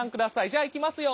じゃあいきますよ。